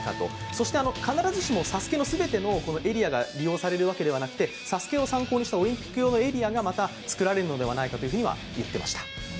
そして、必ずしも「ＳＡＳＵＫＥ」の全てのエリアが利用されるわけじゃなくて、「ＳＡＳＵＫＥ」を参考にしたオリンピックエリアが作られるのではないかと言っていました。